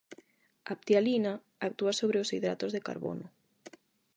A ptialina actúa sobre os hidratos de carbono.